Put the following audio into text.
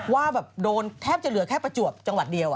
ว่าแบบโดนแทบจะเหลือแค่ประจวบจังหวัดเดียว